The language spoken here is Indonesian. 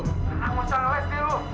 enggak usah ngeles dil